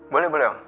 boleh boleh om